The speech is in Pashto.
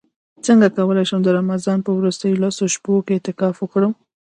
څنګه کولی شم د رمضان په وروستیو لسو شپو کې اعتکاف وکړم